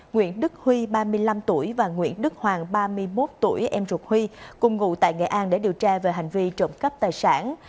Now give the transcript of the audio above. nguyễn đức huy ba mươi năm tuổi và nguyễn đức hoàng ba mươi một tuổi em ruột huy cùng ngụ tại nghệ an để điều tra về hành vi trộm cắp tài sản